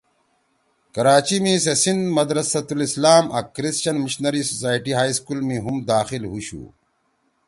کراچی می سے سندھ مدرستہ السلام آں کریسچن مِشنَری سوسائٹی ہائی اسکول می ہُم داخل ہُوشُو